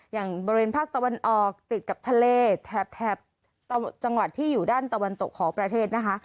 อย่างบริเวณภาคตะวันออกติดกับทะเลแถบจังหวัดที่อยู่ด้านตะวันตกของประเทศนะคะ